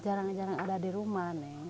jarang jarang ada di rumah nih